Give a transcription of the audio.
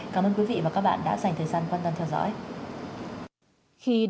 cảm ơn quý vị và các bạn đã dành thời gian quan tâm theo dõi